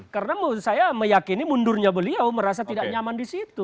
karena saya meyakini mundurnya beliau merasa tidak nyaman di situ